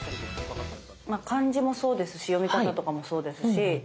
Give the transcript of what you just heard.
漢字もそうですし読み方とかもそうですし